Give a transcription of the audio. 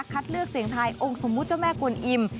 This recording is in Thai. เลือกเสียงทายองค์สมมุติเจ้าแม่กวนอิ่ม